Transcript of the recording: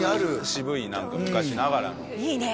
渋い昔ながらのいいね